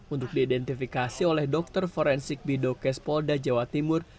untuk diidentifikasi oleh dokter forensik bidokes polda jawa timur